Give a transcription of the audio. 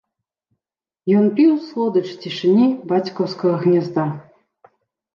Ён піў слодыч цішыні бацькаўскага гнязда.